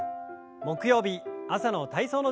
木曜日朝の体操の時間です。